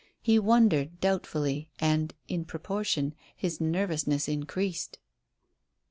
He wondered doubtfully, and, in proportion, his nervousness increased.